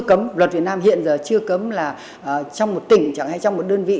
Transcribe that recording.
cấm luật việt nam hiện giờ chưa cấm là trong một tỉnh chẳng hay trong một đơn vị